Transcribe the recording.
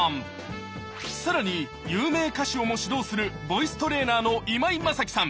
さらに有名歌手をも指導するボイストレーナーの今井マサキさん